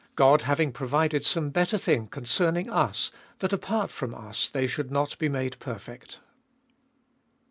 God having provided some better thing concerning us, that apart from us, they should not be made perfect.